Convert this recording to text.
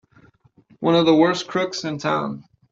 One of the worst crooks in town!